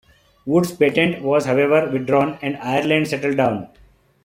Wood's patent was however withdrawn, and Ireland settled down.